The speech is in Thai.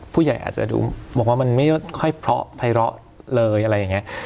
ผู้ใหญ่อาจจะดูบอกว่ามันไม่ค่อยเพราะภัยเลาะเลยอะไรอย่างนี้